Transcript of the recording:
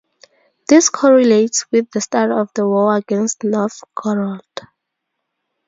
This correlates with the start of the war against Novgorod.